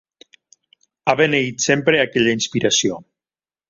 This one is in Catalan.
Ha beneït sempre aquella inspiració.